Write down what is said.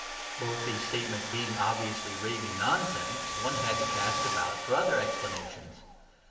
Both these statements being obviously raving nonsense, one had to cast about for other explanations.